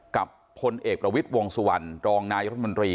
กับพลเอกประวิทย์วงศ์สุวรรณรองร้องนายรวรรณบริ